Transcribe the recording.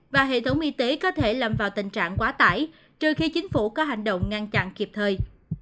và hệ thống y tế có thể lâm vào tình trạng quá tải trừ khi chính phủ có hành động ngăn chặn kịp thời